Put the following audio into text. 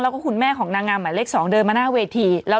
แล้วก็คุณแม่ของนางงามหมายเลข๒เดินมาหน้าเวที